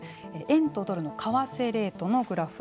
円とドルの為替レートのグラフ。